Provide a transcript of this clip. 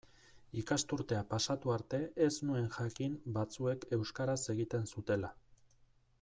Ikasturtea pasatu arte ez nuen jakin batzuek euskaraz egiten zutela.